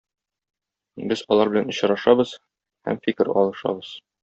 Без алар белән очрашабыз һәм фикер алышабыз.